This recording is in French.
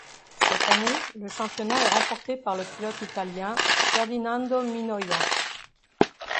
Cette année, le championnat est remporté par le pilote italien Ferdinando Minoia.